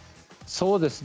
そうですね